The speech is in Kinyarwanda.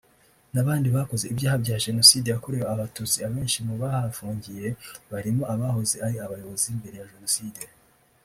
n’abandi bakoze ibyaha bya Jenocide yakorewe abatutsi abenshi mu bahafungiye barimo abahoze ari abayobozi mbere ya Jenoside